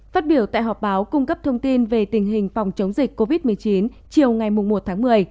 phát biểu tại họp báo cung cấp thông tin về tình hình phòng chống dịch covid một mươi chín chiều ngày một tháng một mươi